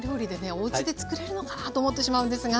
おうちでつくれるのかなと思ってしまうんですが。